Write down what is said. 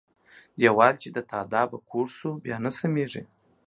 ديوال چې د تاداوه کوږ سو ، بيا نه سمېږي.